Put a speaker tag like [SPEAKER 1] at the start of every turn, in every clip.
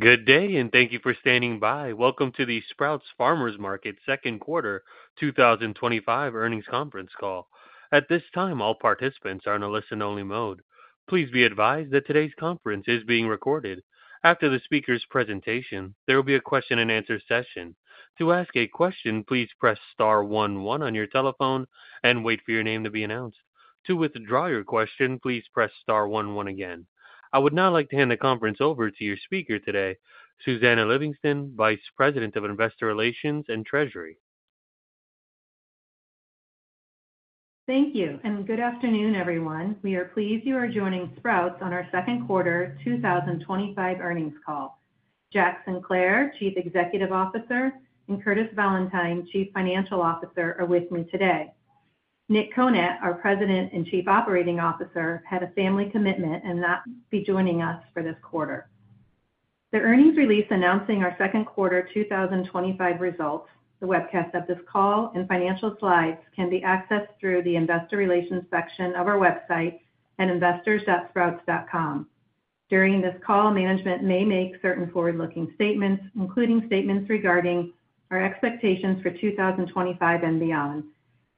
[SPEAKER 1] Good day and thank you for standing by. Welcome to the Sprouts Farmers Market second quarter 2025 earnings conference call. At this time all participants are in a listen only mode. Please be advised that today's conference is being recorded. After the speaker's presentation, there will be a question and answer session. To ask a question, please press Star one one on your telephone and wait for your name to be announced. To withdraw your question, please press Star one one again. I would now like to hand the conference over to your speaker today, Susannah Livingston, Vice President of Investor Relations and Treasury.
[SPEAKER 2] Thank you and good afternoon everyone. We are pleased you are joining Sprouts on our second quarter 2025 earnings call. Jack Sinclair, Chief Executive Officer, and Curtis Valentine, Chief Financial Officer, are with me today. Nick Konat, our President and Chief Operating Officer, had a family commitment and will not be joining us for this earnings release announcing our second quarter 2025 results. The webcast of this call and financial slides can be accessed through the Investor Relations section of our website at investors.sprouts.com. During this call, management may make certain forward-looking statements, including statements regarding our expectations for 2025 and beyond.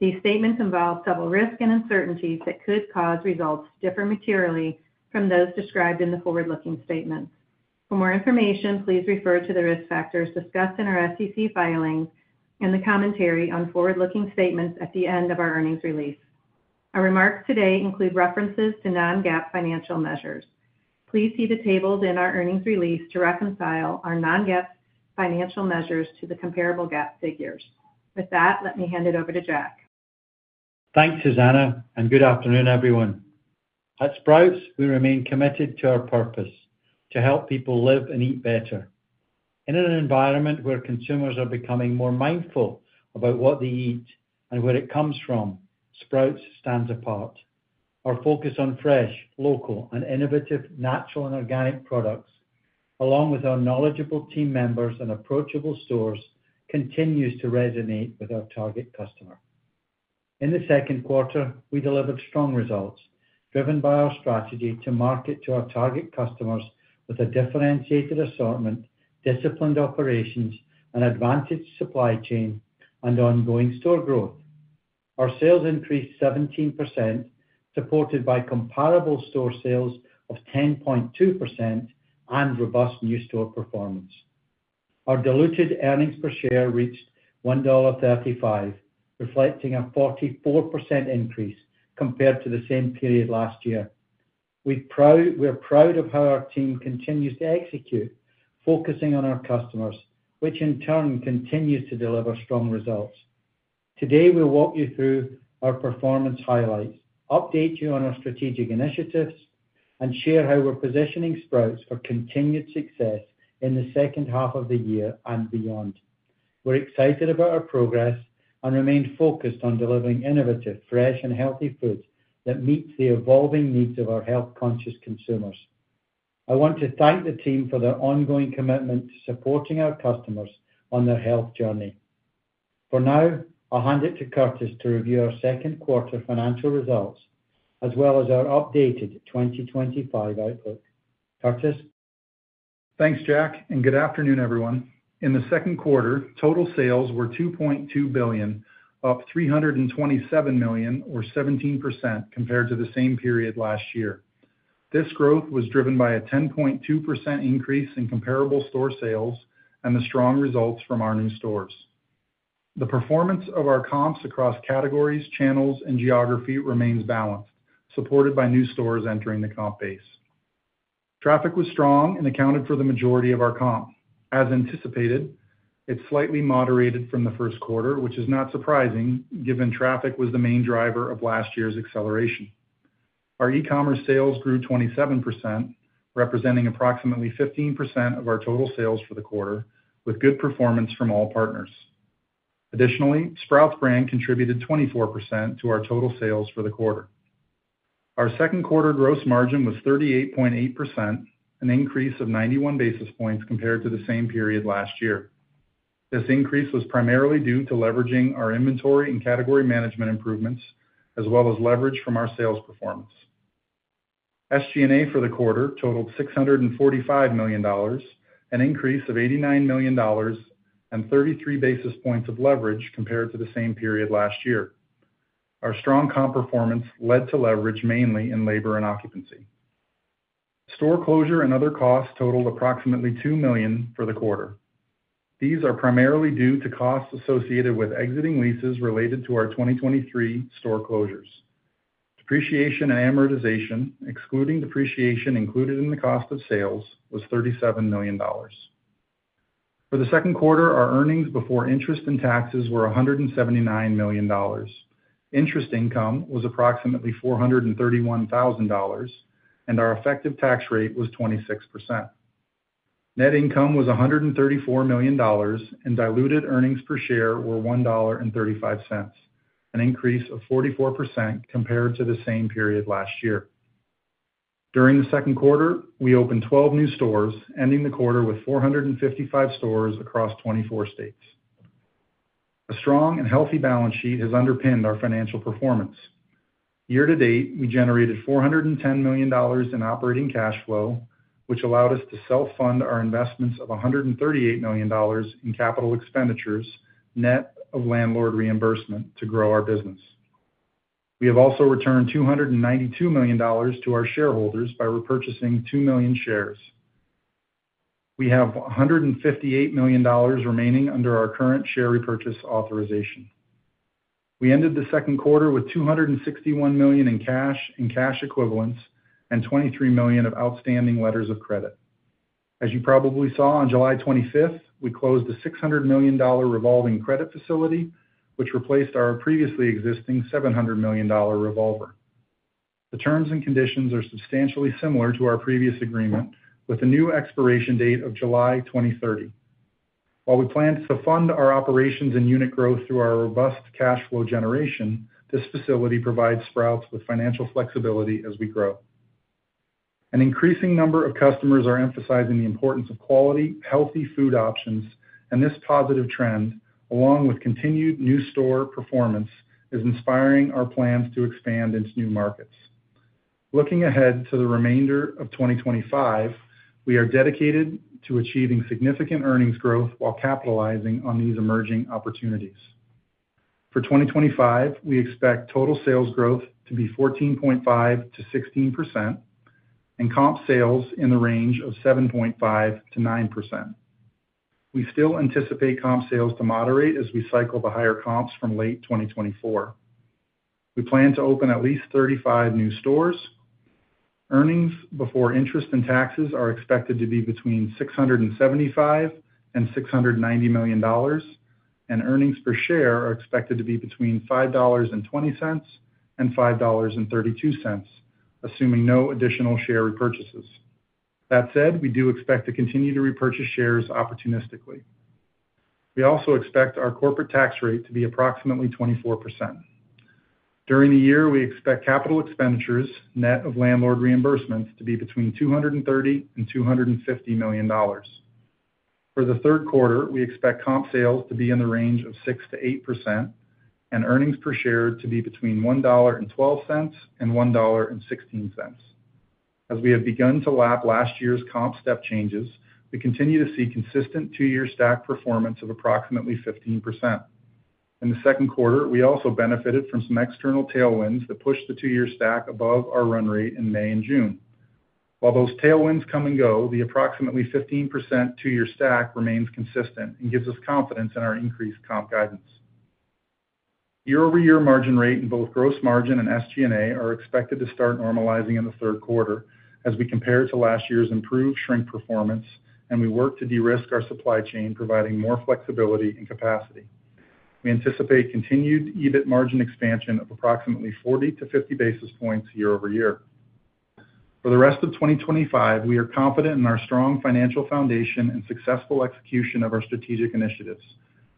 [SPEAKER 2] These statements involve several risks and uncertainties that could cause results to differ materially from those described in the forward-looking statements. For more information, please refer to the risk factors discussed in our SEC filings and the commentary on forward-looking statements at the end of our earnings release. Our remarks today include references to non-GAAP financial measures. Please see the tables in our earnings release to reconcile our non-GAAP financial measures to the comparable GAAP figures. With that, let me hand it over to Jack.
[SPEAKER 3] Thanks Susannah and good afternoon everyone. At Sprouts, we remain committed to our purpose to help people live and eat better in an environment where consumers are becoming more mindful about what they eat and where it comes from. Sprouts stands apart. Our focus on fresh, local and innovative natural and organic products, along with our knowledgeable team members and approachable stores, continues to resonate with our target customer. In the second quarter, we delivered strong results driven by our strategy to market to our target customers with a differentiated assortment, disciplined operations and advantaged supply chain, and ongoing store growth. Our sales increased 17%, supported by comparable store sales of 10.2% and robust new store performance. Our diluted earnings per share reached $1.35, reflecting a 44% increase compared to the same period last year. We're proud of how our team continues to execute, focusing on our customers, which in turn continues to deliver strong results. Today, we'll walk you through our performance highlights, update you on our strategic initiatives and share how we're positioning Sprouts for continued success in the second half of the year and beyond. We're excited about our progress and remain focused on delivering innovative, fresh and healthy foods that meet the evolving needs of our health conscious consumers. I want to thank the team for their ongoing commitment to supporting our customers on their health journey. For now, I'll hand it to Curtis to review our second quarter financial results as well as our updated 2025 outlook.
[SPEAKER 4] Thanks Jack and good afternoon everyone. In the second quarter, total sales were $2.2 billion, up $327 million or 17% compared to the same period last year. This growth was driven by a 10.2% increase in comparable store sales and the strong results from our new stores. The performance of our comps across categories, channels and geography remains balanced, supported by new stores entering the comp base. Traffic was strong and accounted for the majority of our comp. As anticipated, it slightly moderated from the first quarter, which is not surprising given traffic was the main driver of last year's acceleration. Our e-commerce sales grew 27%, representing approximately 15% of our total sales for the quarter with good performance from all partners. Additionally, Sprouts Brand contributed 24% to our total sales for the quarter. Our second quarter gross margin was 38.8%, an increase of 91 basis points compared to the same period last year. This increase was primarily due to leveraging our inventory and category management improvements as well as leverage from our sales performance. SG&A for the quarter totaled $645 million, an increase of $89 million and 33 basis points of leverage compared to the same period last year. Our strong comp performance led to leverage mainly in labor and occupancy. Store closure and other costs totaled approximately $2 million for the quarter. These are primarily due to costs associated with exiting leases related to our 2023 store closures. Depreciation and amortization, excluding depreciation included in the cost of sales, was $37 million. For the second quarter, our earnings before interest and taxes were $179 million. Interest income was approximately $431,000 and our effective tax rate was 26%. Net income was $134 million and diluted earnings per share were $1.35, an increase of 44% compared to the same period last year. During the second quarter, we opened 12 new stores, ending the quarter with 455 stores across 24 states. A strong and healthy balance sheet has underpinned our financial performance. Year to date we generated $410 million in operating cash flow which allowed us to self-fund our investments of $138 million in capital expenditures net of landlord reimbursement to grow our business. We have also returned $292 million to our shareholders. By repurchasing 2 million shares, we have $158 million remaining under our current share repurchase authorization. We ended the second quarter with $261 million in cash and cash equivalents and $23 million of outstanding letters of credit. As you probably saw, on July 25th we closed a $600 million revolving credit facility which replaced our previously existing $700 million revolver. The terms and conditions are substantially similar to our previous agreement with a new expiration date of July 2030. While we plan to fund our operations and unit growth through our robust cash flow generation, this facility provides Sprouts with financial flexibility as we grow. An increasing number of customers are emphasizing the importance of quality, healthy food options and this positive trend, along with continued new store performance, is inspiring our plans to expand into new markets. Looking ahead to the remainder of 2025, we are dedicated to achieving significant earnings growth while capitalizing on these emerging opportunities. For 2025, we expect total sales growth to be 14.5%-16% and comp sales in the range of 7.5%-9%. We still anticipate comp sales to moderate as we cycle the higher comps from late 2024. We plan to open at least 35 new stores. Earnings before interest and taxes are expected to be between $675 million and $690 million and earnings per share are expected to be between $5.20 and $5.32, assuming no additional share repurchases. That said, we do expect to continue to repurchase shares opportunistically. We also expect our corporate tax rate to be approximately 24% during the year. We expect capital expenditures net of landlord reimbursements to be between $230 million and $250 million. For the third quarter, we expect comp sales to be in the range of 6%-8% and earnings per share to be between $1.12 and $1.16. As we have begun to lap last year's comp step changes, we continue to see consistent two-year stack performance of approximately 15%. In the second quarter we also benefited from some external tailwinds that pushed the two-year stack above our run rate in May and June. While those tailwinds come and go, the approximately 15% two-year stack remains consistent and gives us confidence in our increased comp guidance. Year-over-year, margin rate in both gross margin and SG&A are expected to start normalizing in the third quarter as we compare it to last year's improved shrink performance and we work to de-risk our supply chain providing more flexibility and capacity. We anticipate continued EBIT margin expansion of approximately 40-50 basis points year-over-year for the rest of 2025. We are confident in our strong financial foundation and successful execution of our strategic initiatives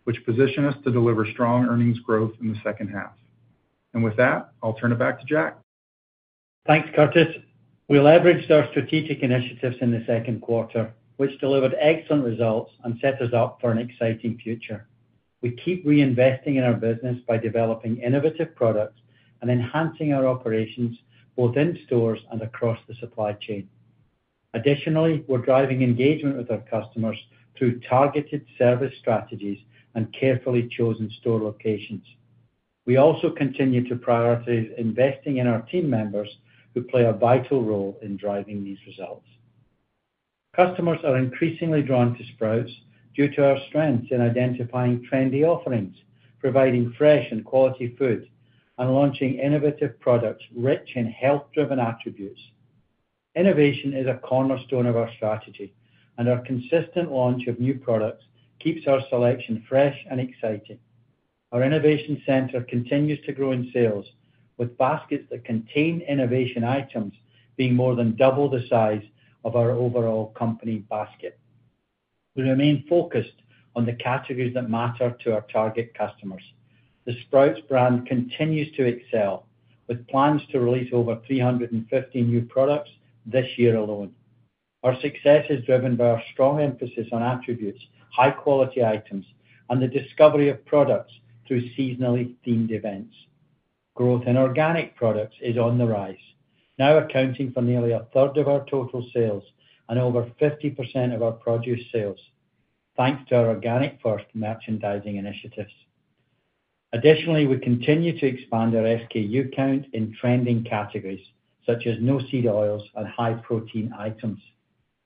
[SPEAKER 4] which position us to deliver strong earnings growth in the second half. With that, I'll turn it back to Jack.
[SPEAKER 3] Thanks, Curtis. We leveraged our strategic initiatives in the second quarter which delivered excellent results and set us up for an exciting future. We keep reinvesting in our business by developing innovative products and enhancing our operations within stores and across the supply chain. Additionally, we're driving engagement with our customers through targeted service strategies and carefully chosen store locations. We also continue to prioritize investing in our team members who play a vital role in driving these results. Customers are increasingly drawn to Sprouts due to our strengths in identifying trendy offerings, providing fresh and quality food, and launching innovative products rich in health driven attributes. Innovation is a cornerstone of our strategy and our consistent launch of new products keeps our selection fresh and exciting. Our Innovation Center continues to grow in sales with baskets that contain innovation items being more than double the size of our overall company basket. We remain focused on the categories that matter to our target customers. The Sprouts Brand continues to excel with plans to release over 350 new products this year alone. Our success is driven by our strong emphasis on attributes, high quality items and the discovery of products through seasonally themed events. Growth in organic products is on the rise now accounting for nearly a 1/3 of our total sales and over 50% of our produce sales thanks to our organic-first merchandising initiatives. Additionally, we continue to expand our SKU count in trending categories such as no seed oils and high-protein items.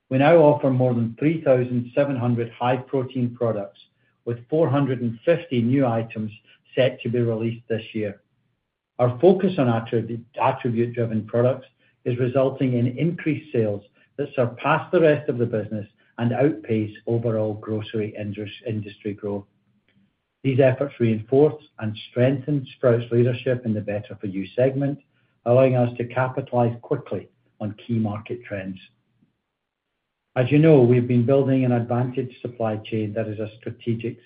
[SPEAKER 3] We now offer more than 3,700 high-protein products with 450 new items set to be released this year. Our focus on attribute driven products is resulting in increased sales that surpass the rest of the business and outpace overall grocery industry growth. These efforts reinforce and strengthen Sprouts' leadership in the better for you segment, allowing us to capitalize quickly on key market trends. As you know, we have been building an advantaged supply chain that is a strategic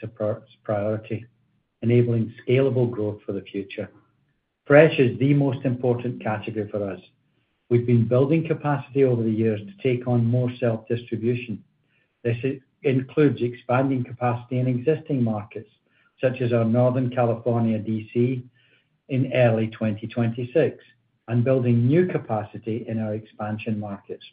[SPEAKER 3] priority, enabling scalable growth for the future. Fresh is the most important category for us, we've been building capacity over the years to take on more self-distribution. This includes expanding capacity in existing markets such as our Northern California DC in early 2026 and building new capacity in our expansion markets.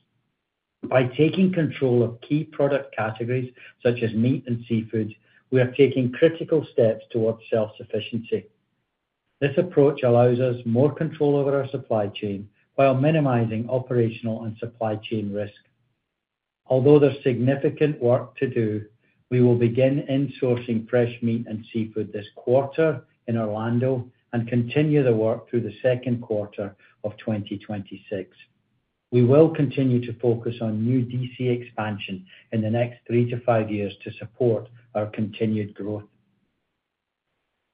[SPEAKER 3] By taking control of key product categories such as meat and seafood, we are taking critical steps towards self-sufficiency. This approach allows us more control over our supply chain while minimizing operational and supply chain risk. Although there's significant work to do, we will begin insourcing fresh meat and seafood this quarter in Orlando and continue the work through the second quarter of 2026. We will continue to focus on new DC expansion in the next 3-5 years to support our continued growth.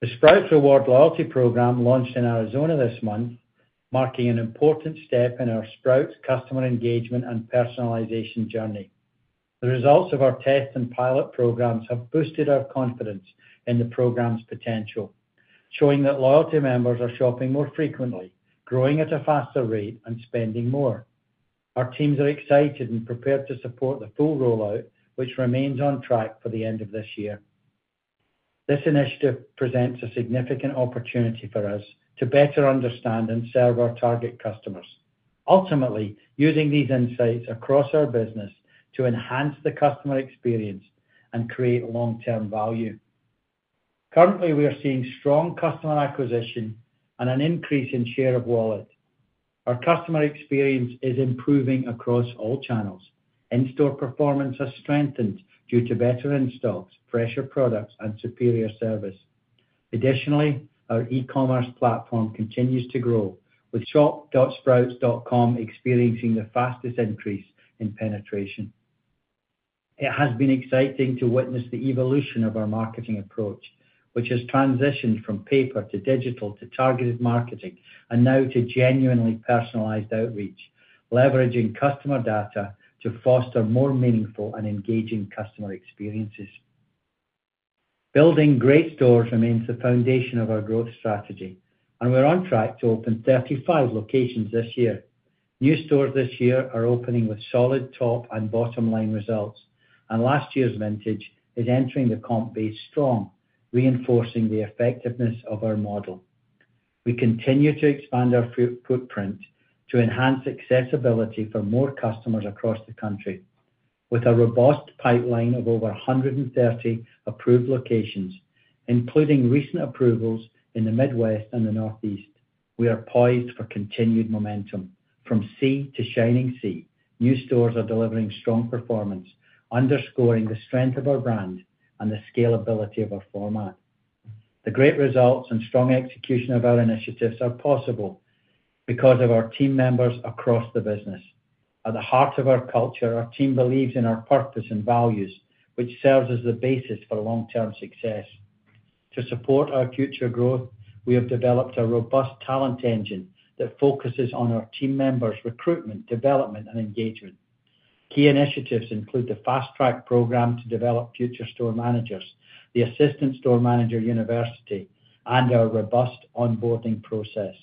[SPEAKER 3] The Sprouts Rewards loyalty program launched in Arizona this month, marking an important step in our Sprouts customer engagement and personalization journey. The results of our test and pilot programs have boosted our confidence in the program's potential, showing that loyalty members are shopping more frequently, growing at a faster rate and spending more. Our teams are excited and prepared to support the full rollout which remains on track for the end of this year. This initiative presents a significant opportunity for us to better understand and serve our target customers, ultimately using these insights across our business to enhance the customer experience and create long-term value. Currently, we are seeing strong customer acquisition and an increase in share of wallet. Our customer experience is improving across all channels. In-store performance has strengthened due to better in-stocks, fresher products and superior service. Additionally, our e-commerce platform continues to grow with shop.sprouts.com experiencing the fastest increase in penetration. It has been exciting to witness the evolution of our marketing approach which has transitioned from paper to digital to targeted marketing and now to genuinely personalized outreach, leveraging customer data to foster more meaningful and engaging customer experiences. Building great stores remains the foundation of our growth strategy and we're on track to open 35 locations this year. New stores this year are opening with solid top and bottom line results and last year's vintage is entering the comp base strong, reinforcing the effectiveness of our model. We continue to expand our footprint to enhance accessibility for more customers across the country. With a robust pipeline of over 130 approved locations, including recent approvals in the Midwest and the Northeast, we are poised for continued momentum from sea to shining sea. New stores are delivering strong performance, underscoring the strength of our brand and the scalability of our format. The great results and strong execution of our initiatives are possible because of our team members across the business. At the heart of our culture, our team believes in our purpose and values, which serves as the basis for long-term success. To support our future growth, we have developed a robust talent engine that focuses on our team members, recruitment, development, and engagement. Key initiatives include the Fast Track Program to develop future store managers, the Assistant Store Manager University, and our robust onboarding process.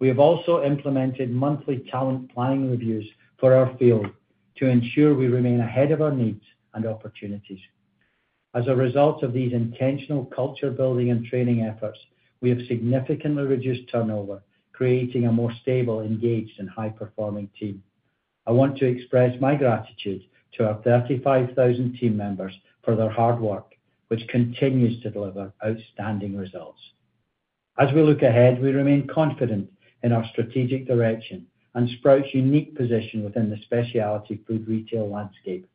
[SPEAKER 3] We have also implemented monthly talent planning reviews for our field to ensure we remain ahead of our needs and opportunities. As a result of these intentional culture-building and training efforts, we have significantly reduced turnover, creating a more stable, engaged, and high-performing team. I want to express my gratitude to our 35,000 team members for their hard work, which continues to deliver outstanding results. As we look ahead, we remain confident in our strategic direction and Sprouts' unique position within the specialty food retail landscape.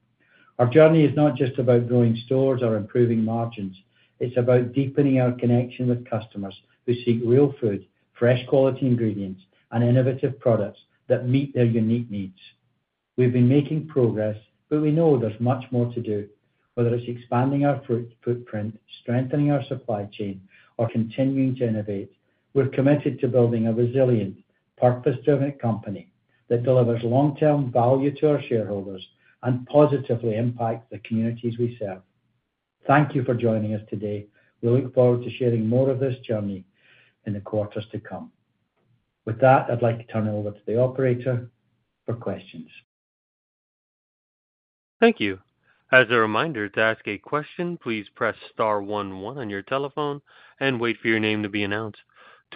[SPEAKER 3] Our journey is not just about growing stores or improving margins, it is about deepening our connection with customers who seek real food, fresh quality ingredients, and innovative products that meet their unique needs. We have been making progress, but we know there is much more to do. Whether it is expanding our footprint, strengthening our supply chain, or continuing to innovate, we are committed to building a resilient purpose-driven company that delivers long-term value to our shareholders and positively impacts the communities we serve. Thank you for joining us today. We look forward to sharing more of this journey in the quarters to come. With that, I would like to turn it over to the operator for questions.
[SPEAKER 1] Thank you. As a reminder to ask a question, please press star one one on your telephone and wait for your name to be announced.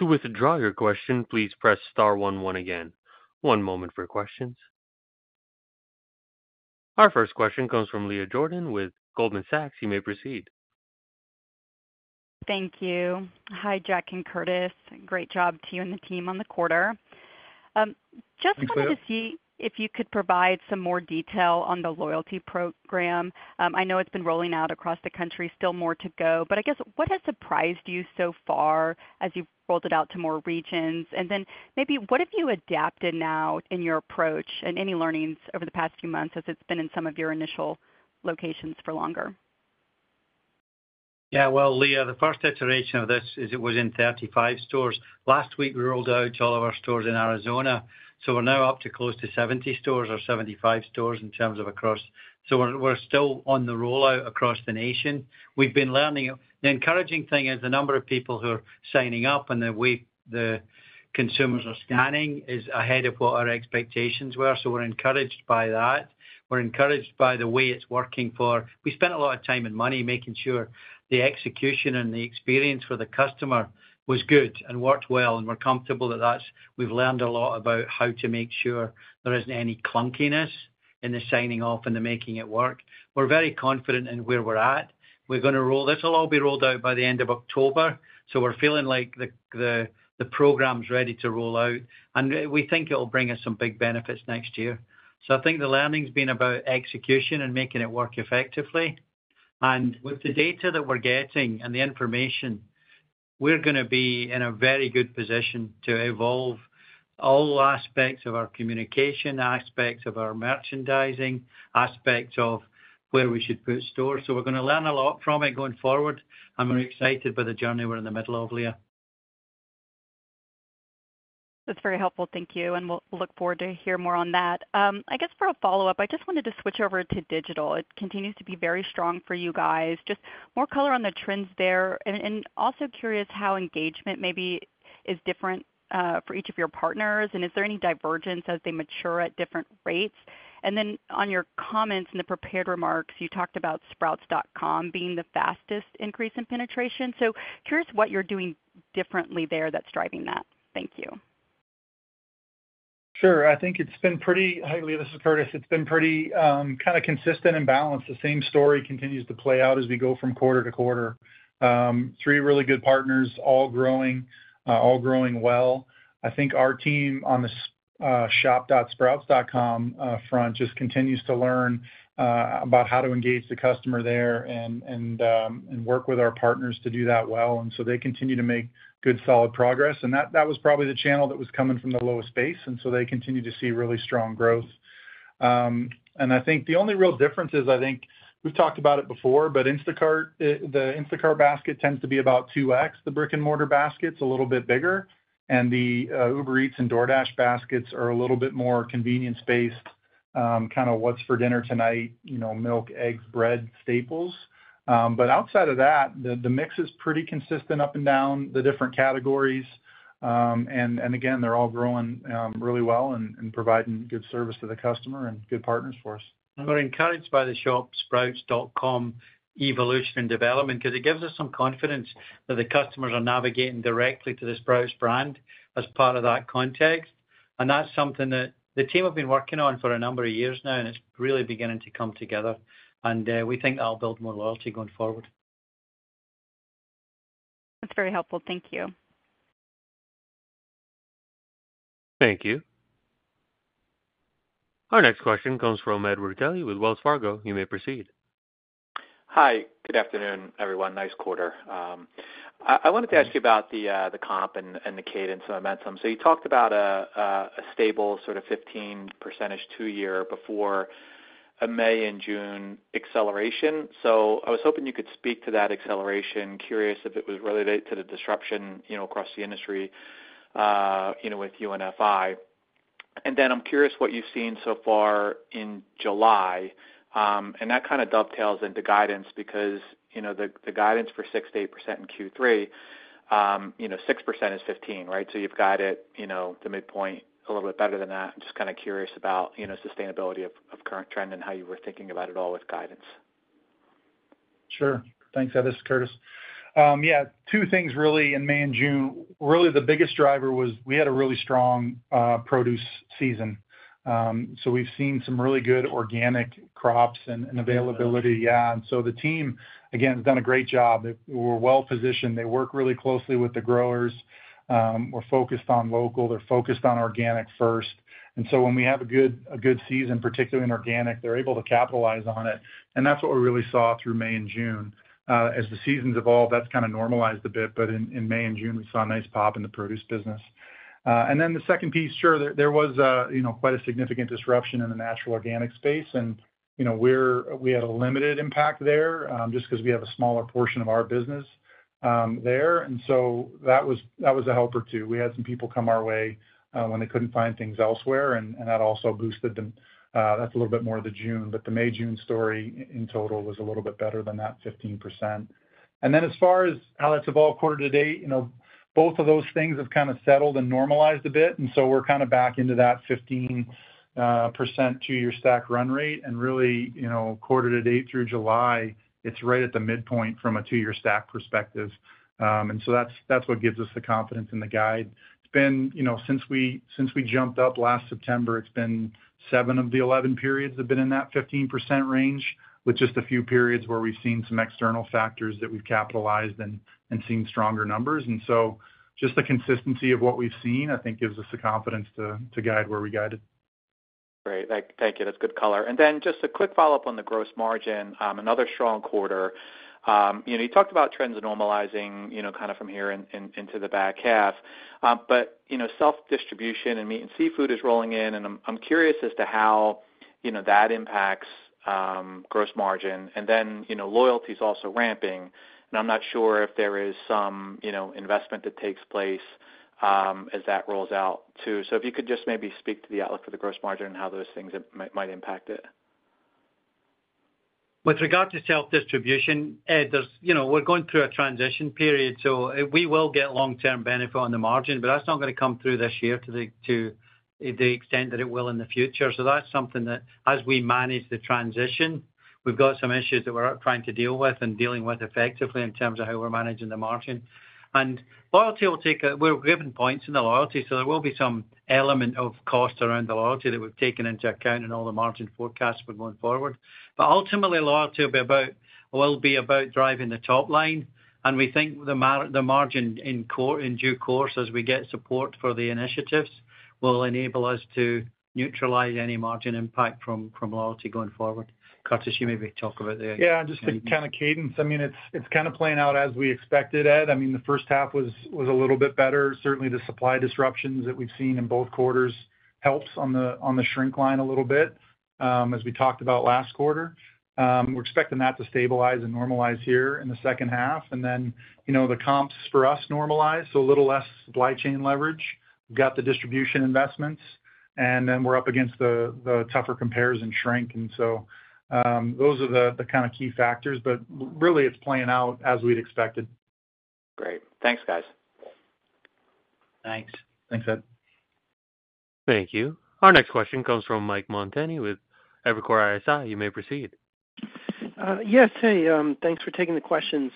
[SPEAKER 1] To withdraw your question, please press star one one again. One moment for questions. Our first question comes from Leah Jordan with Goldman Sachs. You may proceed.
[SPEAKER 5] Thank you. Hi Jack and Curtis, great job to you and the team on the quarter. Just wanted to see if you could provide some more detail on the loyalty program. I know it's been rolling out across the country. Still more to go. I guess what has surprised you so far as you've rolled it out to more regions and then maybe what have you adapted now in your approach and any learnings over the past few months as it's been in some of your initial locations for longer?
[SPEAKER 3] Yeah, Leah, the first iteration of this is it was in 35 stores. Last week we rolled out all of our stores in Arizona, so we're now up to close to 70-75 stores in terms of across. We're still on the rollout across the nation. We've been learning. The encouraging thing is the number of people who are signing up and the way the consumers are standing is ahead of what our expectations were. We're encouraged by that. We're encouraged by the way it's working for. We spent a lot of time and money making sure the execution and the experience for the customer was good and worked well. We're comfortable that that's. We've learned a lot about how to make sure there isn't any clunkiness in the signing off and the making it work. We're very confident in where we're at. We're going to roll. This will all be rolled out by the end of October. We're feeling like the program's ready to roll out and we think it will bring us some big benefits next year. I think the learning's been about execution and making it work effectively. With the data that we're getting and the information, we're going to be in a very good position to evolve all aspects of our communication, aspects of our merchandising, aspects of where we should put stores. We're going to learn a lot from it going forward. I'm excited by the journey we're in the middle of, Leah.
[SPEAKER 5] That's very helpful. Thank you. We look forward to hear more on that. I guess for a follow-up, I just wanted to switch over to digital. It continues to be very strong for you guys. Just more color on the trends there. I am also curious how engagement maybe is different for each of your partners and is there any divergence as they mature at different rates? On your comments in the prepared remarks, you talked about sprouts.com being the fastest increase in penetration. I am curious what you are doing differently there that is driving that. Thank you.
[SPEAKER 4] Sure. I think it's been pretty. Hey, Leah, this is Curtis. It's been pretty kind of consistent and balanced. The same story continues to play out as we go from quarter to quarter. Three really good partners, all growing well. I think our team on the shop.sprouts.com front just continues to learn about how to engage the customer there and work with our partners to do that well. They continue to make good, solid progress. That was probably the channel that was coming from the lowest base. They continue to see really strong growth. I think the only real difference is I think we've talked about it before, but the Instacart basket tends to be about 2x. The brick-and-mortar basket's a little bit bigger and the Uber Eats and DoorDash baskets are a little bit more convenience based, kind of what's for dinner tonight? You know, milk, eggs, bread, staples. Outside of that, the mix is pretty consistent up and down the different categories. Again, they're all growing really well and providing good service to the customer and good partners for us.
[SPEAKER 3] We're encouraged by the shop.sprouts.com evolution and development because it gives us some confidence that the customers are navigating directly to the Sprouts Brand as part of that context. That is something that the team have been working on for a number of years now. It is really beginning to come together and we think that'll build more loyalty going forward.
[SPEAKER 5] That's very helpful. Thank you.
[SPEAKER 1] Thank you. Our next question comes from Edward Kelly with Wells Fargo. You may proceed.
[SPEAKER 6] Hi, good afternoon, everyone. Nice quarter. I wanted to ask you about the comp and the cadence momentum. You talked about a stable sort of 15%-ish two year before a May and June acceleration. I was hoping you could speak to that acceleration. Curious if it was related to the disruption across the industry with UNFI. I'm curious what you've seen. So far in July and that kind of dovetails into guidance because the guidance for 6%-8% in Q3. 6% is 15. Right. So you've got it the midpoint a little bit better than that. I'm just kind of curious about sustainability of current trend and how you were thinking about it all with guidance.
[SPEAKER 4] Sure. Thanks, Ed. This is Curtis. Yeah. Two things really in May and June, really the biggest driver was we had a really strong produce season. We have seen some really good organic crops and availability. The team again has done a great job. We are well positioned. They work really closely with the growers. We are focused on local, they are focused on organic first. When we have a good season, particularly in organic, they are able to capitalize on it. That is what we really saw through May and June. As the seasons evolve, that has kind of normalized a bit. In May and June we saw a nice pop in the produce business. The second piece, sure, there was quite a significant disruption in the natural organic space and we had a limited impact there just because we have a smaller portion of our business there. That was a helper too. We had some people come our way when they could not find things elsewhere and that also boosted them. That is a little bit more the June, but the May, June story in total was a little bit better than that 15%. As far as how that has evolved quarter to date, both of those things have kind of settled and normalized a bit. We are kind of back into that 15% two-year stack run rate and really, quarter to date through July, it is right at the midpoint from a two-year stack perspective. That is what gives us the confidence in the guide. It has been, since we jumped up last September, it has been 7/11 periods have been in that 15% range with just a few periods where we have seen some external factors that we have capitalized and seen stronger numbers. The consistency of what we have seen I think gives us the confidence to guide where we guided.
[SPEAKER 6] Great, thank you. That's good color. Just a quick follow up. On the gross margin, another strong quarter. You talked about trends normalizing kind of from here into the back half. Self-distribution and meat and seafood is rolling in and I'm curious as to how that impacts gross margin. Loyalty is also ramping and I'm not sure if there is some investment that takes place as that rolls out too. If you could just maybe speak. To the outlook for the gross margin and how those things might impact it.
[SPEAKER 3] With regard to self-distribution, Ed, we're going through a transition period, so we will get long-term benefit on the margin, but that's not going to come through this year to the extent that it will in the future. That is something that as we manage the transition, we've got some issues that we're trying to deal with and dealing with effectively in terms of how we're managing the margin. Loyalty will take, we're giving points in the loyalty, so there will be some element of cost around the loyalty that we've taken into account in all. The margin forecasts we're going forward. Ultimately, loyalty will be about driving the top line and we think the margin in due course as we get support for the initiatives will enable us to neutralize any margin impact from loyalty going forward. Curtis, you maybe talk about that.
[SPEAKER 4] Yeah, just to kind of cadence. I mean it's, it's kind of playing out as we expected, Ed. I mean the first half was, was a little bit better. Certainly the supply disruptions that we've seen in both quarters helps on the, on the shrink line a little bit, as we talked about last quarter. We're expecting that to stabilize and normalize here in the second half, and then, you know, the comps for us normalize. So a little less supply chain leverage, got the distribution investments, and then we're up against the tougher comparison shrink. And so those are the kind of key factors, but really, it's playing out as we'd expected.
[SPEAKER 6] Great. Thanks, guys.
[SPEAKER 3] Thanks.
[SPEAKER 4] Thanks, Ed.
[SPEAKER 1] Thank you. Our next question comes from Michael Montani with Evercore ISI. You may proceed.
[SPEAKER 7] Yes. Hey, thanks for taking the questions.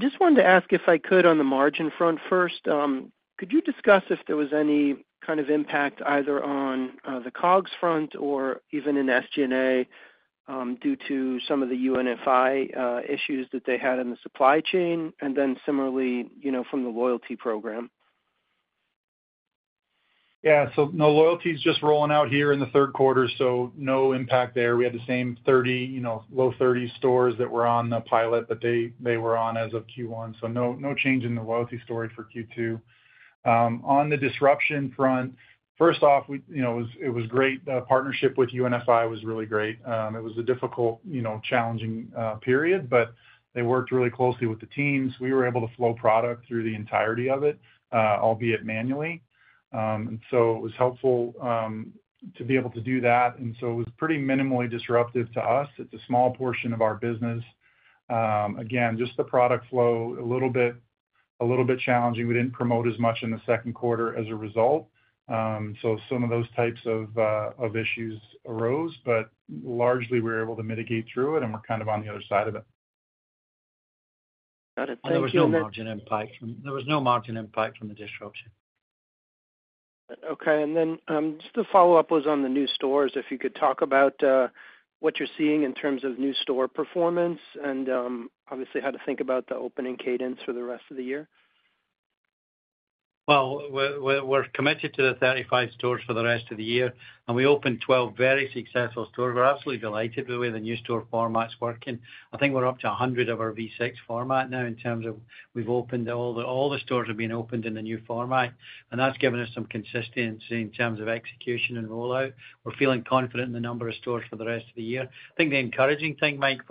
[SPEAKER 7] Just wanted to ask if I could, on the margin front first, could you discuss if there was any kind of impact either on the COGS front or even in SG&A due to some of the UNFI issues that they had in the supply chain and then similarly, you know, from the loyalty program.
[SPEAKER 4] Yeah, so no loyalty's just rolling out here in the third quarter, so no impact there. We had the same 30, you know, low 30s stores that were on the pilot that they were on as of Q1. No change in the loyalty story for Q2. On the disruption front, first off, it was great. Partnership with UNFI was really great. It was a difficult, challenging period, but they worked really closely with the teams. We were able to flow product through the entirety of it, albeit manually, and it was helpful to be able to do that. It was pretty minimally disruptive to us. It's a small portion of our business. Again, just the product flow. A little bit challenging. We didn't promote as much in the second quarter as a result, so some of those types of issues arose, but largely we were able to mitigate through it, and we're kind of on the other side of it.
[SPEAKER 7] Got it.
[SPEAKER 3] There was no margin impact from the disruption.
[SPEAKER 7] Okay. And then just the follow up was on the new stores. If you could talk about what you're seeing in terms of new store performance and obviously how to think about the opening cadence for the rest of the year.
[SPEAKER 3] We're committed to the 35 stores for the rest of the year, and we opened 12 very successful stores. We're absolutely delighted with the way the new store format's working. I think we're up to 100 of our V6 format now. We've opened all the stores in the new format, and that's given us some consistency in terms of execution and rollout. We're feeling confident in the number of stores for the rest of the year. I think the encouraging thing, Mike,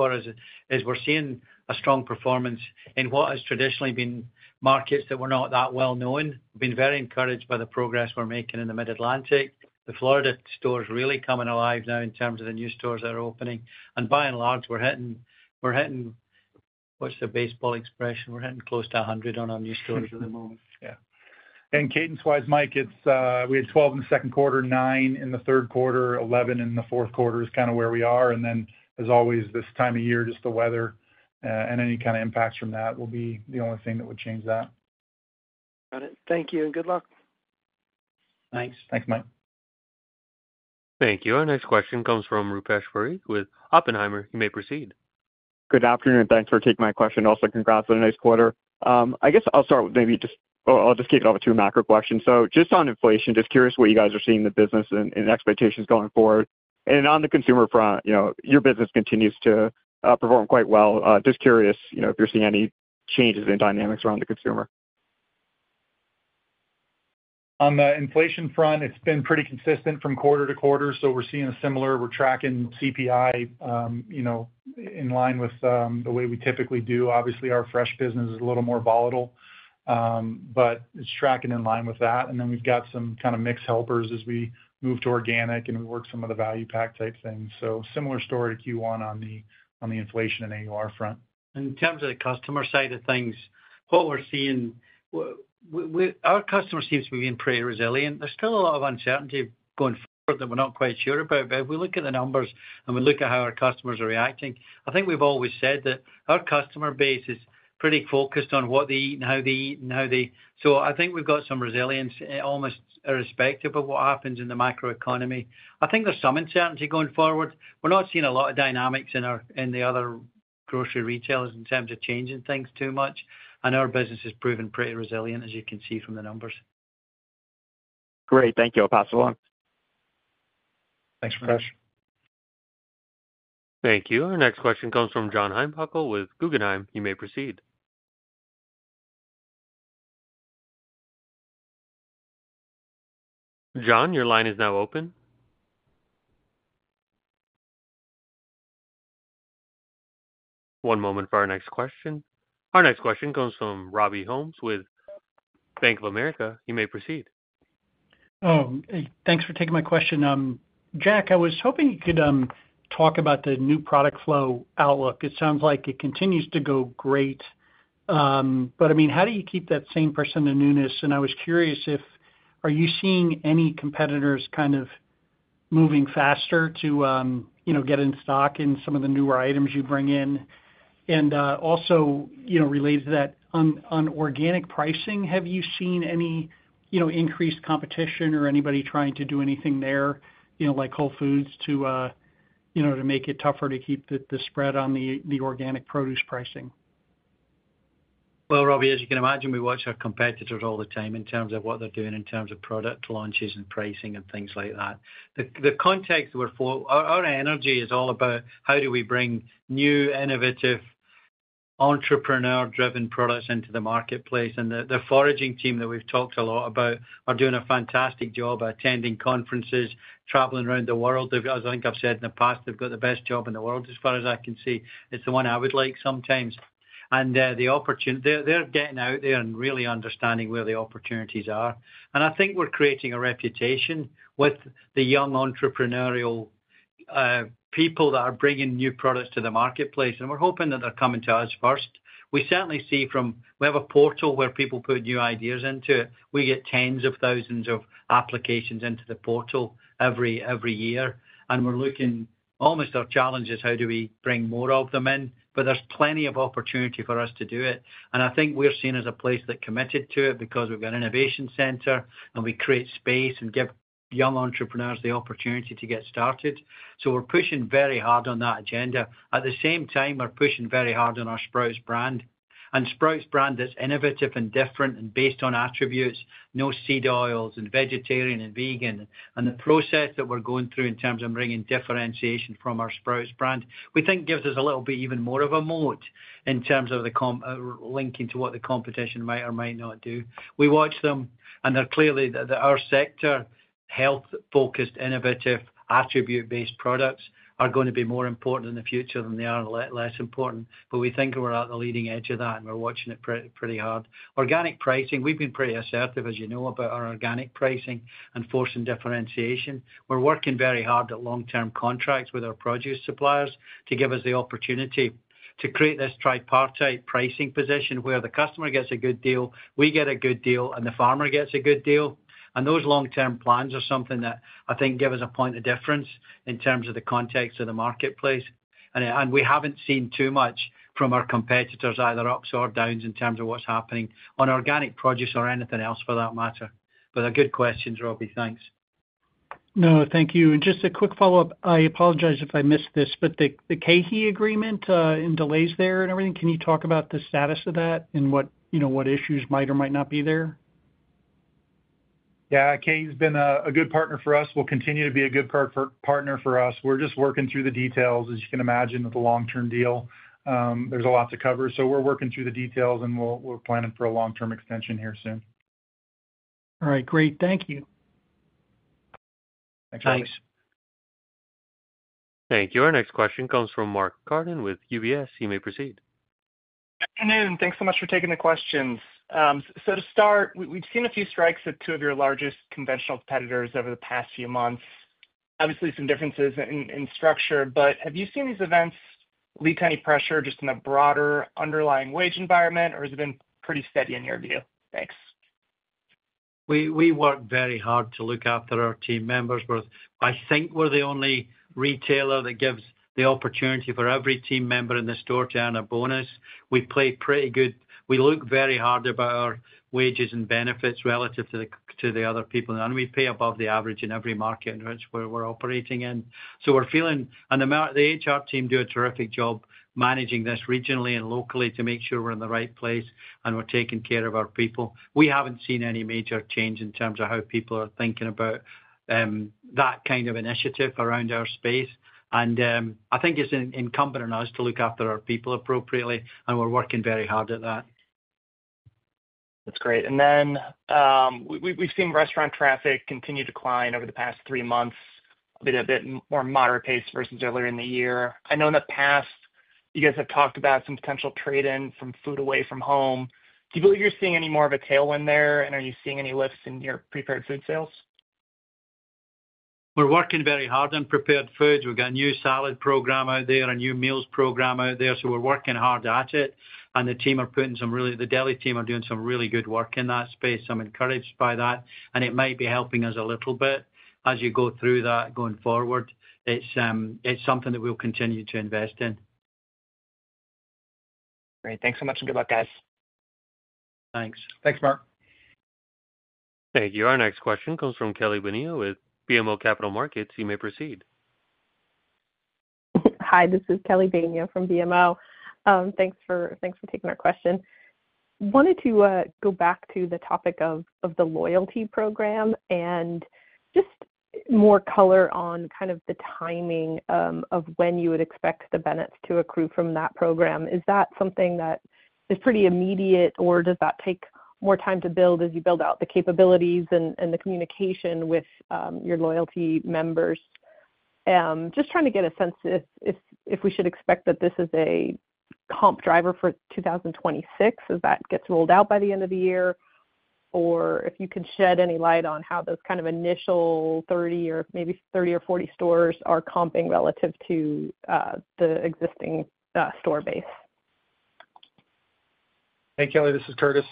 [SPEAKER 3] is we're seeing a strong performance in what has traditionally been markets that were not that well known. Been very encouraged by the progress we're making in the Mid Atlantic, the Florida stores really coming alive now in terms of the new stores that are opening. By and large we're hitting. What's the baseball expression? We're heading close to 100 on our new stores.
[SPEAKER 4] Cadence wise, Mike, we had 12 in the second quarter, 9 in the third quarter, 11 in the fourth quarter is kind of where we are. As always this time of year, just the weather and any kind of impacts from that will be the only thing that would change that.
[SPEAKER 7] Got it. Thank you and good luck.
[SPEAKER 4] Thanks.
[SPEAKER 3] Thanks, Mike.
[SPEAKER 1] Thank you. Our next question comes from Rupesh with Oppenheimer. You may proceed.
[SPEAKER 8] Good afternoon. Thanks for taking my question. Also, congrats on a nice quarter. I guess I'll start with maybe just—I'll just kick it off to a macro question. Just on inflation, just curious what you guys are seeing in the business and expectations going forward. On the consumer front, you know, your business continues to perform quite well. Just curious, you know, if you're seeing any changes in dynamics around the consumer.
[SPEAKER 4] On the inflation front, it's been pretty consistent from quarter to quarter. We're seeing a similar—we're tracking CPI, you know, in line with the way we typically do. Obviously, our fresh business is a little more volatile, but it's tracking in line with that. We've got some kind of mixed helpers as we move to organic and work some of the value pack type things. Similar story to Q1 on the inflation and AUR front.
[SPEAKER 3] In terms of the customer side of things, what we're seeing, our customer seems to be pretty resilient. There's still a lot of uncertainty going forward that we're not quite sure about. If we look at the numbers and we look at how our customers are reacting, I think we've always said that our customer base is pretty focused on what they eat and how they eat and how they. I think we've got some resilience almost irrespective of what happens in the macro economy. I think there's some uncertainty going forward. We're not seeing a lot of dynamics in the other grocery retailers in terms of changing things too much. Our business has proven pretty resilient. As you can see from the numbers.
[SPEAKER 8] Great, thank you. I'll pass it along.
[SPEAKER 4] Thanks, Rupesh.
[SPEAKER 1] Thank you. Our next question comes from John Heinbockel with Guggenheim. You may proceed. John, your line is now open. One moment for our next question. Our next question comes from Robby Ohmes with Bank of America. You may proceed.
[SPEAKER 9] Oh, thanks for taking my question. Jack, I was hoping you could talk about the new product flow outlook. It sounds like it continues to go great, but I mean, how do you keep that same percentage of newness? I was curious if, are you seeing any competitors kind of moving faster to get in stock in some of the newer items you bring in? Also related to that on organic pricing, have you seen any increased competition or anybody trying to do anything there like Whole Foods to make it tougher to keep the spread on the organic produce pricing?
[SPEAKER 3] Robby, as you can imagine, we watch our competitors all the time in terms of what they're doing, in terms of product launches and pricing and things like that. The context our energy is all about how do we bring new, innovative, entrepreneur driven products into the marketplace. The foraging team that we've talked a lot about are doing a fantastic job attending conferences, traveling around the world. As I think I've said in the past, they've got the best job in the world as far as I can see. It's the one I would like sometimes. The opportunity they're getting out there and really understanding where the opportunities are. I think we're creating a reputation with the young entrepreneurial people that are bringing new products to the marketplace and we're hoping that they're coming to us first. We certainly see from we have a portal where people put new ideas into it. We get tens of thousands of applications into the portal every year and we're looking almost our challenge is how do we bring more of them in. There's plenty of opportunity for us to do it. I think we're seen as a place that committed to it because we've got an Innovation Center and we create space and give young entrepreneurs the opportunity to get started. We're pushing very hard on that agenda. At the same time, we're pushing very hard on our Sprouts Brand. Sprouts Brand that's innovative and different and based on attributes. No seed oils and vegetarian and vegan. The process that we're going through in terms of bringing differentiation from our Sprouts Brand we think gives us a little bit even more of a moat in terms of linking to what the competition might or might not do. We watch them and they're clearly our sector, health focused, innovative attribute based products are going to be more important in the future than they are less important. We think we're at the leading edge of that and we're watching it pretty hard. Organic pricing, we've been pretty assertive, as you know, about our organic pricing and forcing differentiation. We're working very hard at long term contracts with our produce suppliers to give us the opportunity to create this tripartite pricing position where the customer gets a good deal, we get a good deal and the farmer gets a good deal. Those long term plans are something that I think give us a point of difference in terms of the context of the marketplace. We haven't seen too much from our competitors, either ups or downs in terms of what's happening on organic produce or anything else for that matter. A good question, Robby. Thanks.
[SPEAKER 9] No, thank you. Just a quick follow up. I apologize if I missed this, but the KeHE agreement and delays there and everything. Can you talk about the status of. That and what, you know, what issues? Might or might not be there.
[SPEAKER 4] Yeah, KeHE's been a good partner for us, will continue to be a good partner for us. We're just working through the details. As you can imagine, with the long term deal, there's a lot to cover. We're working through the details and we're planning for a long term extension here soon.
[SPEAKER 9] All right, great. Thank you.
[SPEAKER 3] Thanks.
[SPEAKER 1] Thank you. Our next question comes from Mark Carden with UBS. You may proceed.
[SPEAKER 10] Thanks so much for taking the questions. To start, we've seen a few strikes at two of your largest conventional competitors over the past few months. Obviously some differences in structure. Have you seen these events lead to any pressure just in a broader underlying wage environment, or has it been pretty steady in your view? Thanks.
[SPEAKER 3] We work very hard to look after our team members. I think we're the only retailer that gives the opportunity for every team member in the store to earn a bonus. We pay pretty good. We look very hard at our wages and benefits relative to the other people. And we pay above the average in every market where we're operating in. So we're feeling, and the HR team do a terrific job managing this regionally and locally to make sure we're in the right place and we're taking care of our people. We haven't seen any major change in terms of how people are thinking about that kind of initiative around our space. I think it's incumbent on us to look after our people appropriately. We're working very hard at that.
[SPEAKER 10] That's great. We've seen restaurant traffic continue to climb over the past three months at a bit more moderate pace versus earlier in the year. I know in the past you guys have talked about some potential trade in from food away from home. Do you believe you're seeing any more of a tailwind there? Are you seeing any lifts in? Your prepared food sales?
[SPEAKER 3] We're working very hard on prepared foods. We've got a new salad program out there, a new meals program out there. We're working hard at it. The deli team are doing some really good work in that space. I'm encouraged by that, and it might be helping us a little bit as you go through that going forward. It's something that we'll continue to invest in.
[SPEAKER 10] Great. Thanks so much and good luck, guys.
[SPEAKER 3] Thanks.
[SPEAKER 4] Thanks, Mark.
[SPEAKER 1] Thank you. Our next question comes from Kelly Bania at BMO Capital Markets. You may proceed.
[SPEAKER 11] Hi, this is Kelly Bania from BMO. Thanks for taking our question. Wanted to go back to the topic of the loyalty program and just more color on kind of the timing of when you would expect the benefits to accrue from that program. Is that something that is pretty immediate or does that take more time to build as you build out the capabilities and the communication with your loyalty members? Just trying to get a sense if we should expect that this is a comp driver for 2026 as that gets rolled out by the end of the year, or if you could shed any light on how those kind of initial 30 or maybe 30 or 40 stores are comping relative to the existing store base.
[SPEAKER 4] Hey, Kelly, this is Curtis.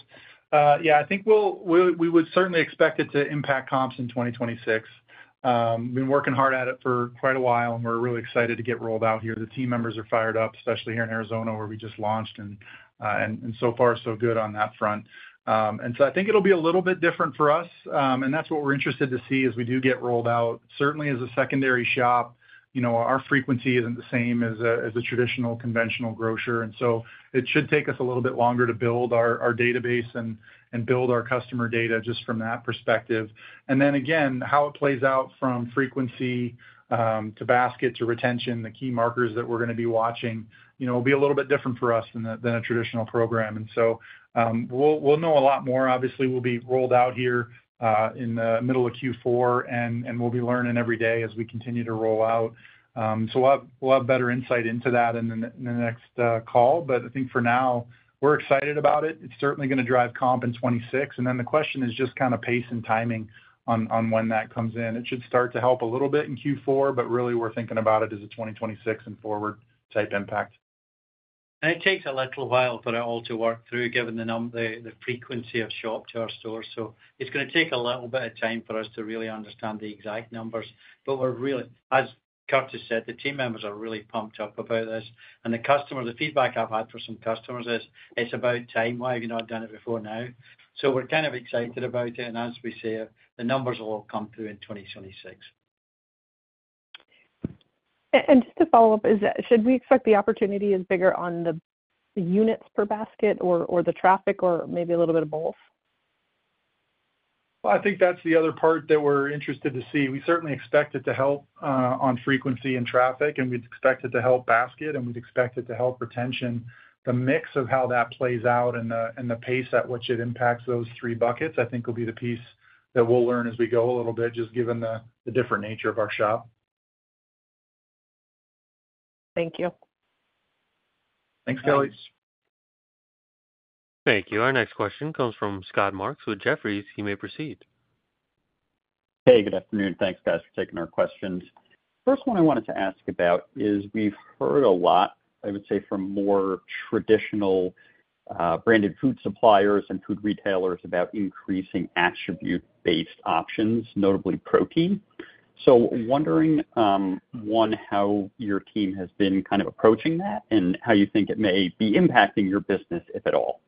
[SPEAKER 4] Yeah, I think we would certainly expect it to impact comps in 2026. Been working hard at it for quite a while, and we're really excited to get rolled out here. The team members are fired up, especially here in Arizona, where we just launched, and so far, so good on that front. I think it'll be a little bit different for us. That's what we're interested to see as we do get rolled out, certainly as a secondary shop. You know, our frequency isn't the same as a traditional conventional grocer, and it should take us a little bit longer to build our database and build our customer data just from that perspective. Then again, how it plays out from frequency to basket to retention, the key markers that we're going to be watching, you know, will be a little bit different for us than a traditional program. We'll know a lot more. Obviously, we'll be rolled out here in the middle of Q4, and we'll be learning every day as we continue to roll out. We'll have better insight into that in the next call. I think for now we're excited about it. It's certainly going to drive comp in 2026, and then the question is just kind of pace and timing on when that comes in. It should start to help a little bit in Q4, but really we're thinking about it as a 2026 and 2027 forward type impact.
[SPEAKER 3] It takes a little while for it all to work through given the number, the frequency of shop to our stores. It is going to take a little bit of time for us to really understand the exact numbers. We are really, as Curtis said, the team members are really pumped up about this and the customer. The feedback I have had for some customers is it is about time. Why have you not done it before now? We are kind of excited about it and as we say, the numbers will all come through in 2026.
[SPEAKER 11] Just to follow up, should we expect the opportunity is bigger on the units per basket or the traffic, or maybe a little bit of both?
[SPEAKER 4] I think that's the other part that we're interested to see. We certainly expect it to help on frequency and traffic, and we'd expect it to help basket, and we'd expect it to help retention. The mix of how that plays out and the pace at which it impacts those three buckets, I think, will be the piece of that. We'll learn as we go a little bit, just given the different nature of our shop.
[SPEAKER 11] Thank you.
[SPEAKER 3] Thanks Kelly's.
[SPEAKER 1] Thank you. Our next question comes from Scott Marks with Jefferies. You may proceed.
[SPEAKER 12] Hey, good afternoon. Thanks guys for taking our questions. First, one I wanted to ask about is we've heard a lot, I would say, from more traditional branded food suppliers and food retailers about increasing attribute-based options, notably protein. So wondering, one, how your team has been kind of approaching that and how you think it may be impacting your business, if at all.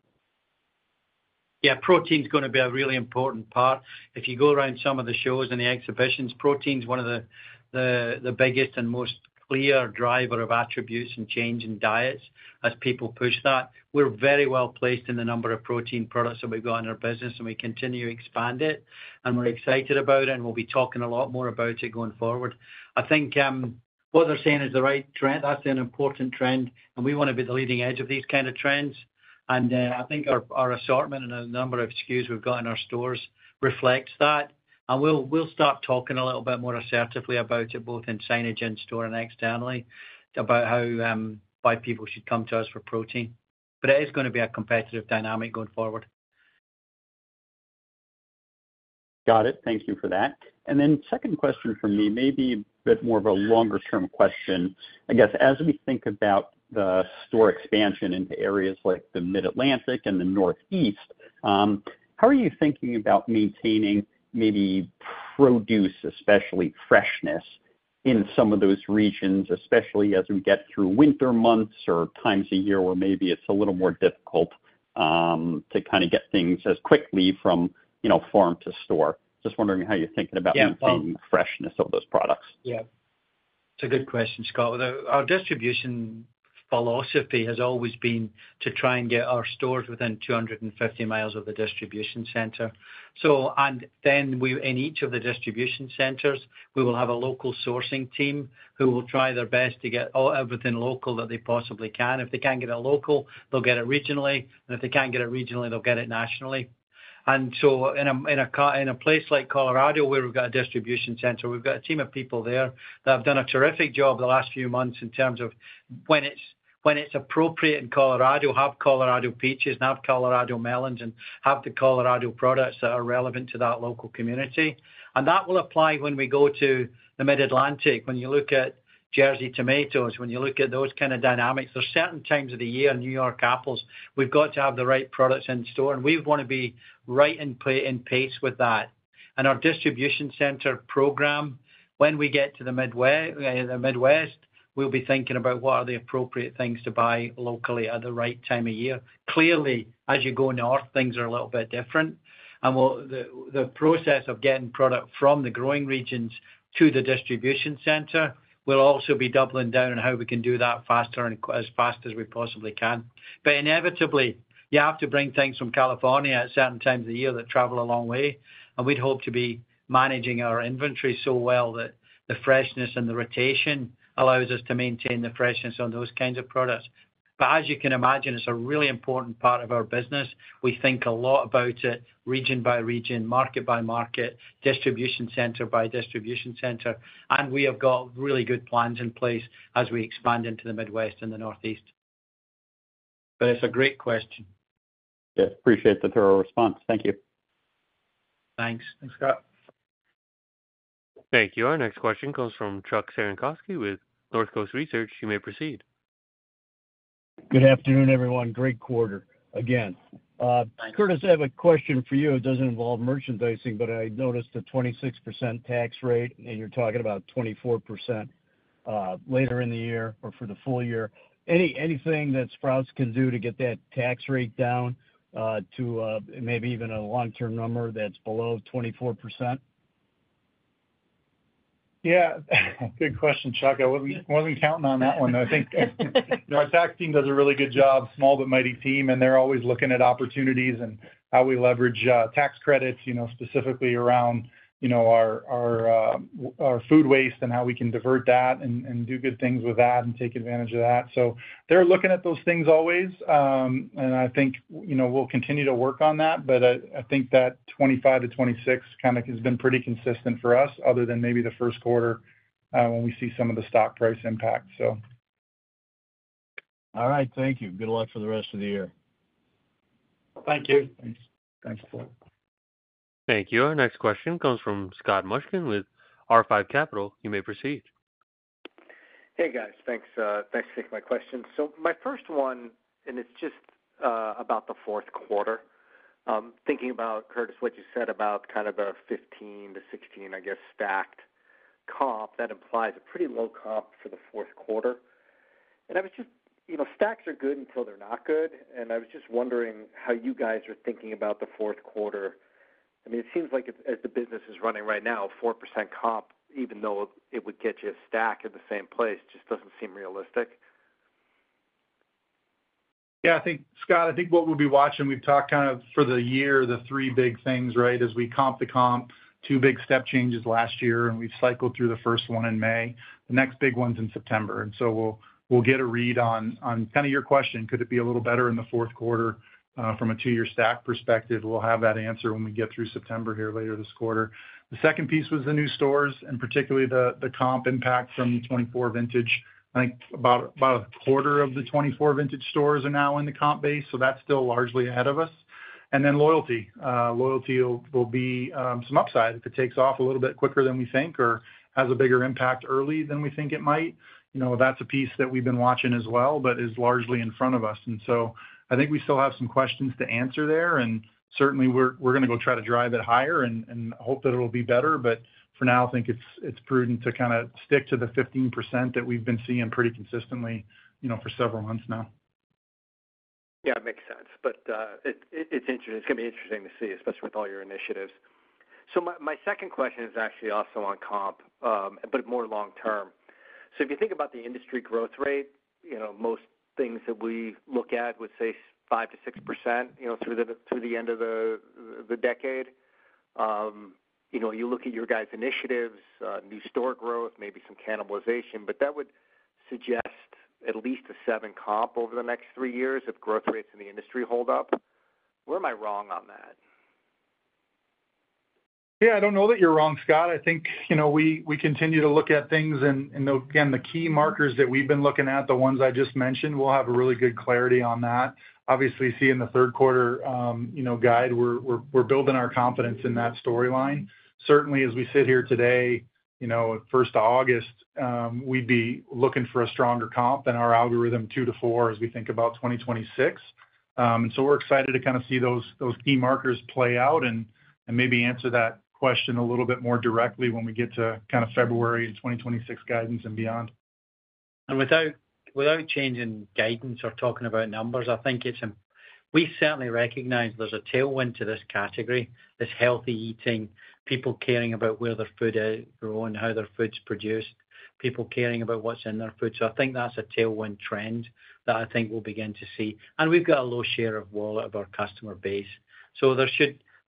[SPEAKER 3] Yeah, protein is going to be a really important part. If you go around some of the shows and the exhibitions, protein is one of the biggest and most clear driver of attributes and change in diets. As people push that, we're very well placed in the number of protein products that we've got in our business and we continue to expand it and we're excited about it and we'll be talking a lot more about it going forward. I think what they're saying is the right trend, that's an important trend and we want to be the leading edge of these kind of trends. I think our assortment and a number of SKUs we've got in our stores reflects that. We'll start talking a little bit more assertively about it, both in signage, in store and externally about how. Why people should come to us for protein. It is going to be a competitive dynamic going forward.
[SPEAKER 12] Got it. Thank you for that. Second question for me, maybe bit more of a longer term question. I guess, as we think about the store expansion into areas like the Mid Atlantic and the Northeast, how are you thinking about maintaining maybe produce, especially freshness in some of those regions, especially as we get through winter months or times a year where maybe it's a little more difficult to kind of get things as quickly from, you know, farm to store? Just wondering how you're thinking about freshness of those products.
[SPEAKER 3] Yeah, it's a good question, Scott. Our distribution philosophy has always been to try and get our stores within 250 mi of the distribution center. In each of the distribution centers, we will have a local sourcing team who will try their best to get everything local that they possibly can. If they can't get it local, they'll get it regionally. If they can't get it regionally, they'll get it nationally. In a place like Colorado, where we've got a distribution center, we've got a team of people there that have done a terrific job the last few months in terms of when it's appropriate in Colorado, have Colorado peaches, have Colorado melons, and have the Colorado products that are relevant to that local community. That will apply when we go to the Mid Atlantic. When you look at Jersey tomatoes, when you look at those kind of dynamics, there are certain times of the year, New York apples, we've got to have the right products in store, and we want to be right in pace with that and our distribution center program. When we get to the Midwest, we'll be thinking about what are the appropriate things to buy locally at the right time of year. Clearly, as you go north, things are a little bit different. The process of getting product from the growing regions to the distribution center will also be doubling down on how we can do that faster and as fast as we possibly can. Inevitably, you have to bring things from California at certain times of the year that travel a long way. We'd hope to be managing our inventory so well that the freshness and the rotation allows us to maintain the freshness on those kinds of products. As you can imagine, it's a really important part of our business. We think a lot about it region by region, market by market, distribution center by distribution center. We have got really good plans in place as we expand into the Midwest and the Northeast. It's a great question.
[SPEAKER 12] Yes. Appreciate the thorough response.
[SPEAKER 3] Thank you.
[SPEAKER 4] Thanks, Scott.
[SPEAKER 1] Thank you. Our next question comes from Chuck Cerankosky with Northcoast Research. You may proceed.
[SPEAKER 13] Good afternoon, everyone. Great quarter again. Curtis, I have a question for you. It doesn't involve merchandising, but I noticed a 26% tax rate and you're talking about 24% later in the year or for the full year. Any, anything that Sprouts can do to get that tax rate down to maybe even a long term number that's below 24%?
[SPEAKER 4] Yeah, good question, Chuck. I wasn't counting on that one. I think our tax team does a really good job, small but mighty team. And they're always looking at opportunities and how we leverage tax credits, you know, specifically around, you know, our food waste and how we can divert that and do good things with that and take advantage of that. They're looking at those things always. I think, you know, we'll continue to work on that. I think that 25%-26% kind of has been pretty consistent for us other than maybe the first quarter when we see some of the stock price impact, so.
[SPEAKER 14] All right, thank you. Good luck for the rest of the year.
[SPEAKER 3] Thank you. Thanks.
[SPEAKER 1] Thank you. Our next question comes from Scott Mushkin with R5 Capital. You may proceed.
[SPEAKER 15] Hey guys, thanks. Thanks for taking my question. My first one, and it's just about the fourth quarter, thinking about, Curtis, what you said about kind of a 15-16, I guess, stacked comp, that implies a pretty low comp for the fourth quarter. I was just, you know, stacks are good until they're not good. I was just wondering how you guys are thinking about the fourth quarter. I mean, it seems like as the business is running right now, 4% comp, even though it would get you a stack at the same place, just doesn't seem realistic.
[SPEAKER 4] Yeah, I think, Scott, I think what we'll be watching, we've talked kind of for the year, the three big things, right? As we comp the comp, two big step changes last year and we've cycled through the first one in May, the next big one's in September. We will get a read on kind of your question. Could it be a little better in the fourth quarter from a two-year stack perspective? We will have that answer when we get through September here later this quarter. The second piece was the new stores and particularly the comp impact from the 2024 vintage. I think about a quarter of the 2024 vintage stores are now in the comp base. That is still largely ahead of us. Then loyalty, loyalty will be some upside if it takes off a little bit quicker than we think or has a bigger impact early than we think it might. You know, that's a piece that we've been watching as well, but is largely in front of us. I think we still have some questions to answer there and certainly we're going to go try to drive it higher and hope that it'll be better. For now I think it's prudent to kind of stick to the 15% that we've been seeing pretty consistently, you know, for several months now.
[SPEAKER 15] Yeah, it makes sense. It's going to be interesting to see especially with all your initiatives. My second question is actually also on comp but more long term. If you think about the industry growth rate, you know, most things that we look at would say 5%-6% through the end of the decade, you know, you look at your guys' initiatives, new store growth, maybe some cannibalization, but that would suggest at least a 7% comp over the next three years if growth rates in the industry hold up. Where am I wrong on that?
[SPEAKER 4] Yeah, I don't know that you're wrong, Scott. I think, you know, we continue to look at things and again the key markers that we've been looking at, the ones I just mentioned, we'll have a really good clarity on that. Obviously see in the third quarter, you know, guide we're building our confidence in that storyline. Certainly as we sit here today, you know, 1st August, we'd be looking for a stronger comp and our algorithm 2-4 as we think about 2026. And so we're excited to kind of see those key markers play out and maybe answer that question a little bit more directly when we get to kind of February and 2026 guidance and beyond.
[SPEAKER 3] Without changing guidance or talking about numbers. I think it's, we certainly recognize there's a tailwind to this category is healthy eating, people caring about where their food and how their food's produced, people caring about what's in their food. I think that's a tailwind trend that I think we'll begin to see. We've got a low share of wallet of our customer base.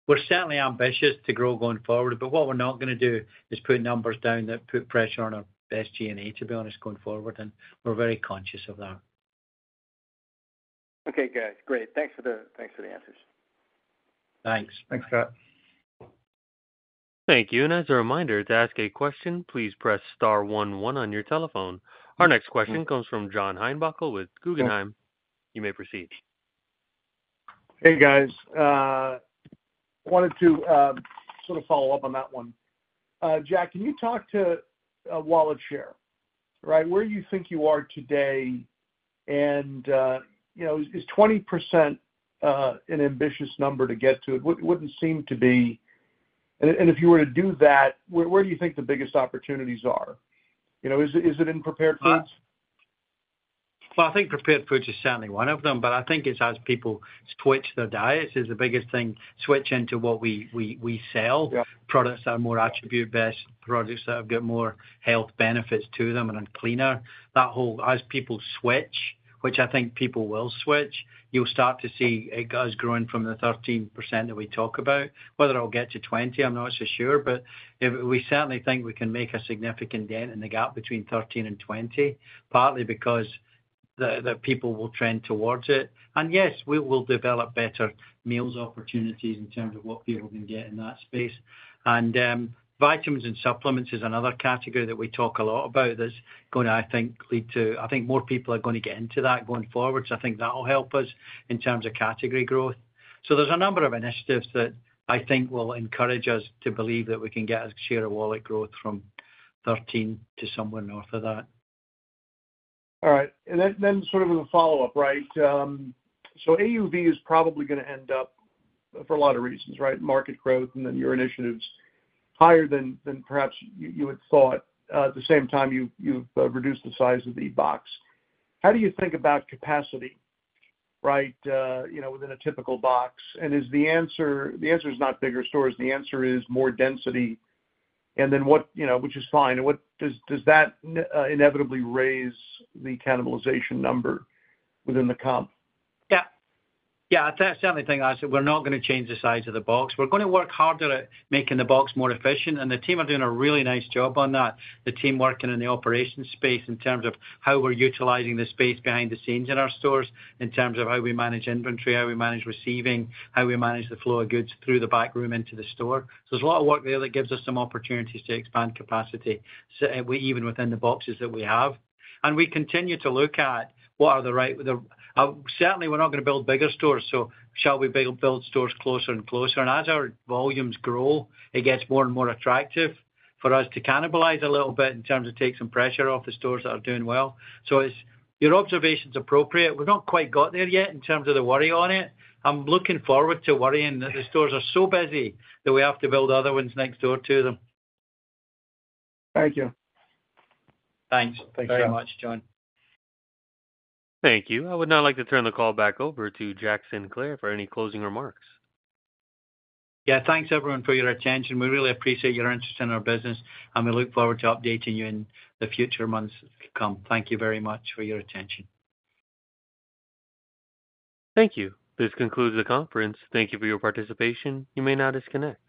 [SPEAKER 3] We're certainly ambitious to grow going forward. What we're not going to do is put numbers down that put pressure on our best SG&A to be honest, going forward. We're very conscious of that.
[SPEAKER 15] Okay guys, great. Thanks for the, thanks for the answers.
[SPEAKER 3] Thanks.
[SPEAKER 4] Thanks Scott.
[SPEAKER 1] Thank you. As a reminder, to ask a question, please press star one one on your telephone. Our next question comes from John Heinbockel with Guggenheim. You may proceed.
[SPEAKER 16] Hey guys, I wanted to sort of follow up on that one. Jack, can you talk to wallet share? Right where you think you are today and you know, is 20% an ambitious number to get to? It wouldn't seem to be. And if you were to do that, where do you think the biggest opportunities are? You know, is it in prepared foods?
[SPEAKER 3] I think prepared foods is certainly one of them. I think it's as people switch their diets is the biggest thing. Switch into what we sell, products are more attribute-based products, products that have got more health benefits to them and are cleaner, that whole. As people switch, which I think people will switch, you'll start to see it does growing from the 13% that we talk about. Whether it'll get to 20%, I'm not so sure. We certainly think we can make a significant dent in the gap between 13% and 20% partly because people will trend towards it. Yes, we will develop better meals opportunities in terms of what people can get in that space. Vitamins and supplements is another category that we talk a lot about that's going to, I think, lead to, I think more people are going to get into that going forward. I think that will help us in terms of category growth. There's a number of initiatives that I think will encourage us to believe that we can get a share of wallet growth from 13% to somewhere north of that.
[SPEAKER 16] All right. Sort of as a follow up. Right. So AUV is probably going to end up for a lot of reasons. Right. Market growth and then your initiatives higher than perhaps you had thought. At the same time you've reduced the size of the box. How do you think about capacity? Right. Within a typical box? The answer is not bigger stores. The answer is more density. And then what. Which is fine. Does that inevitably raise the cannibalization number within the comp?
[SPEAKER 3] Yeah, yeah. I certainly think we're not going to change the size of the box. We're going to work harder at making the box more efficient. The team are doing a really nice job on that. The team working in the operations space in terms of how we're utilizing the space behind the scenes in our stores in terms of how we manage inventory, how we manage receiving, how we manage the flow of goods through the back room into the store. There's a lot of work there that gives us some opportunities to expand capacity even within the boxes that we have. We continue to look at what are the right. Certainly we're not going to build bigger stores. Shall we build stores closer and closer? As our volumes grow, it gets more and more attractive for us to cannibalize a little bit in terms of take some pressure off the stores that are doing well. Your observation is appropriate. We've not quite got there yet in terms of the worry on it. I'm looking forward to worrying that the stores are so busy that we have to build other ones next door to them.
[SPEAKER 16] Thank you.
[SPEAKER 3] Thanks. Thanks very much, John.
[SPEAKER 1] Thank you. I would now like to turn the call back over to Jack Sinclair for any closing remarks.
[SPEAKER 3] Yeah. Thanks everyone for your attention. We really appreciate your interest in our business and we look forward to updating you in the future months to come. Thank you very much for your attention.
[SPEAKER 1] Thank you. This concludes the conference. Thank you for your participation. You may now disconnect.